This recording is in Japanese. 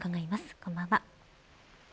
こんばんは。